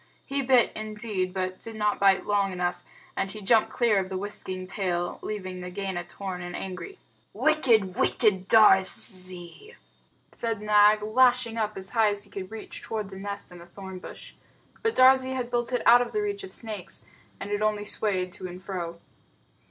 He bit, indeed, but did not bite long enough, and he jumped clear of the whisking tail, leaving Nagaina torn and angry. "Wicked, wicked Darzee!" said Nag, lashing up as high as he could reach toward the nest in the thorn bush. But Darzee had built it out of reach of snakes, and it only swayed to and fro.